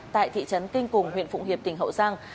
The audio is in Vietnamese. tại thị trấn kinh cùng huyện phụng hiệp tỉnh hậu giang